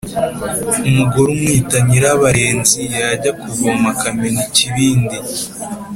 Umugore umwita Nyirabarenzi yajya kuvoma akamena ikibindi.